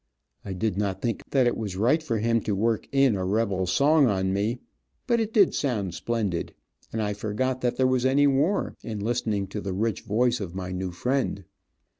I did not think it was right for him to work in a rebel song on me, but it did sound splendid, and I forgot that there was any war, in listening to the rich voice of my new friend.